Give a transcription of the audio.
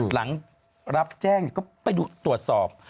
หลังรับแจ้งก็ไปตรวจสอบ